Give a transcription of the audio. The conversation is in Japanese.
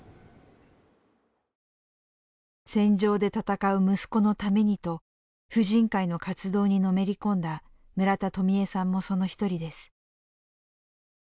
戦場で戦う息子のためにと婦人会の活動にのめり込んだ村田とみゑさんもその一人です。